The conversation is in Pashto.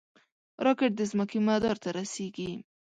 راکټ د ځمکې مدار ته رسېږي